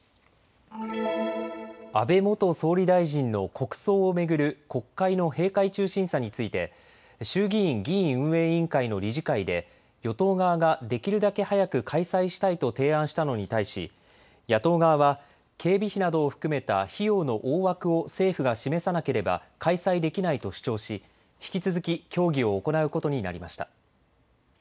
安倍元総理大臣の国葬を巡る国会の閉会中審査について衆議院議院運営委員会の理事会で与党側ができるだけ早く開催したいと提案したのに対し野党側は警備費などを含めた費用の大枠を政府が示さなければ開催できないと主張し、引き続き協議を行うことになりました。